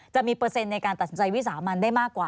จะมีเปอร์เซ็นต์ในการตัดสินใจวิสามันได้มากกว่า